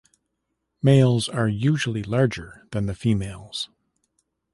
Males are usually larger than the females.